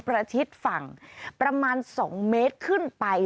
ประทิตฟังประมาณสองเมตรขึ้นไป